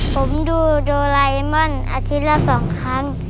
ผมดูโดราเอม่อนอาทิตย์ละสองครั้ง